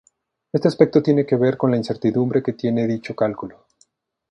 Este aspecto tiene que ver con la incertidumbre que tiene dicho cálculo.